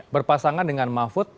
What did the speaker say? berpasangan dengan mahfud